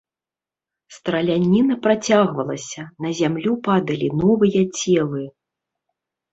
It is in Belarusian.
Страляніна працягвалася, на зямлю падалі новыя целы.